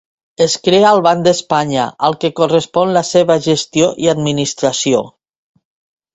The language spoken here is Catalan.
Es crea al Banc d'Espanya, al que correspon la seva gestió i administració.